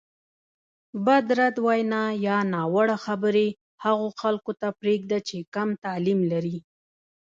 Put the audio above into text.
بدرد وینا یا ناوړه خبرې هغو خلکو ته پرېږده چې کم تعلیم لري.